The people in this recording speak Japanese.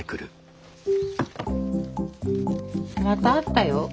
またあったよ。